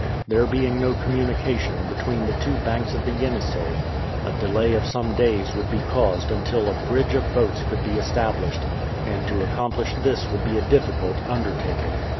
There being no communication between the two banks of the Yenisei, a delay of some days would be caused until a bridge of boats could be established, and to accomplish this would be a difficult undertaking.